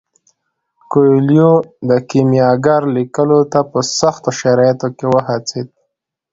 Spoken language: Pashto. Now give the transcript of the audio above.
کویلیو د کیمیاګر لیکلو ته په سختو شرایطو کې وهڅید.